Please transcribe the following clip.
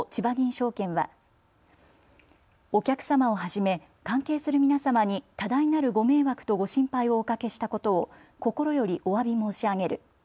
証券はお客様をはじめ関係する皆様に多大なるご迷惑とご心配をおかけしたことを心よりおわび申し上げる。